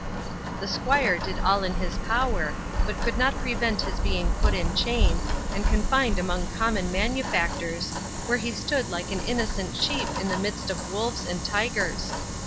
The 'squire did all in his power, but could not prevent his being put in chains, and confined among common manufactors, where he stood like an innocent sheep in the midst of wolves and tygers.